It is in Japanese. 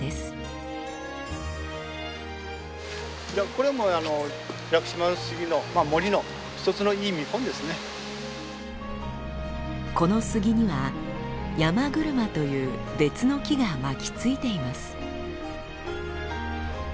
これもこの杉にはヤマグルマという別の木が巻きついています。